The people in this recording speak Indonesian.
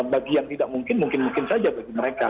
bagi yang tidak mungkin mungkin mungkin saja bagi mereka